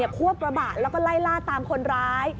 ควบกระบะแล้วก็ไล่ล่าตามคนร้าย